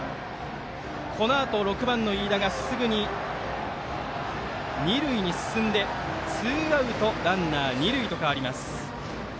このあと６番の飯田がすぐに二塁に進んで、ツーアウトランナー、二塁と変わります。